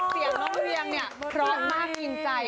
เสียงน้องเรียงเนี่ยร้อนมากยินใจ